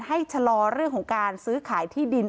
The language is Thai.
ชะลอเรื่องของการซื้อขายที่ดิน